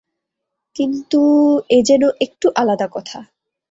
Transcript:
কিন্তু এ যেন একটু আলাদা কথা।